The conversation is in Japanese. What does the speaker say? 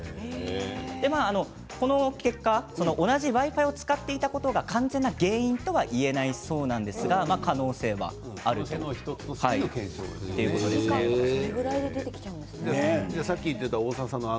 この結果同じＷｉ−Ｆｉを使っていたことが完全な原因とは言えないそうなんですがどれぐらいで出てくるんでしょうかね。